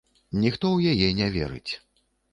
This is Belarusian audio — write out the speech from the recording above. Ніхто ў яе не верыць.